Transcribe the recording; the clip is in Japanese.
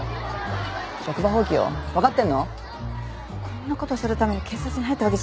こんなことするために警察に入ったわけじゃないんで。